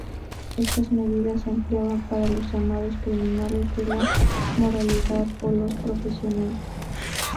Estas medidas se empleaban para los llamados criminales de la moralidad o los profesionales.